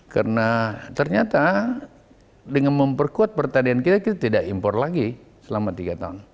karena ternyata dengan memperkuat pertanian kita kita tidak impor lagi selama tiga tahun